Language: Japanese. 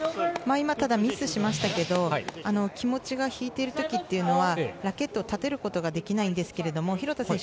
今、ただミスしましたけど気持ちが引いている時というのはラケットを立てることができないんですけれども廣田選手